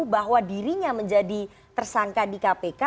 bahwa dirinya menjadi tersangka di kpk